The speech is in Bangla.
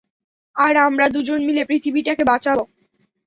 আর আমরা দুজন মিলে পৃথিবীটাকে বাঁচাবো।